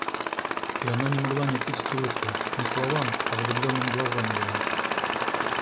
И она не могла не ответить улыбкой — не словам, а влюбленным глазам его.